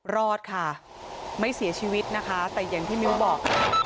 รอดค่ะไม่เสียชีวิตนะคะแต่อย่างที่มิ้วบอก